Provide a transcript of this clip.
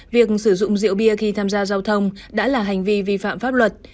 việc sử dụng rượu bia khi tham gia giao thông đã là hành vi vi phạm pháp luật